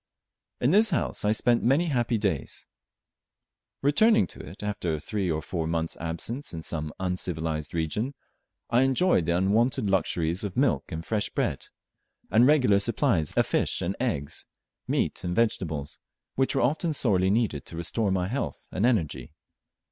In this house I spent many happy days. Returning to it after a three or four months' absence in some uncivilized region, I enjoyed the unwonted luxuries of milk and fresh bread, and regular supplies of fish and eggs, meat and vegetables, which were often sorely needed to restore my health and energy.